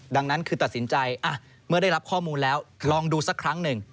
ดังนั้นคือตัดสินใจเมื่อได้รับข้อมูลแล้วลองดูสักครั้งหนึ่ง